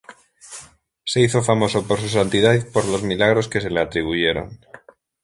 Se hizo famoso por su santidad y por los milagros que se le atribuyeron.